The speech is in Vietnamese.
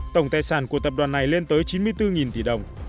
tổng tài sản của tập đoàn này lên tới chín mươi bốn tỷ đồng